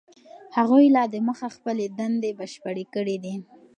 هغوی لا دمخه خپلې دندې بشپړې کړي دي.